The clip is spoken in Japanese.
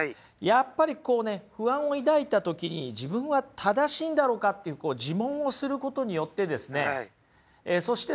やっぱりこうね不安を抱いた時に自分は正しいんだろうかっていう自問をすることによってですね